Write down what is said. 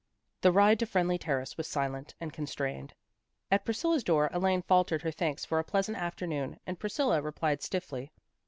The ride to Friendly Terrace was silent and constrained. At Priscilla's door Elaine faltered her thanks for a pleasant afternoon and Pris cilla replied stiffly.